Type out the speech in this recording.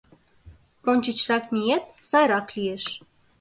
Ончычрак миет — сайрак лиеш!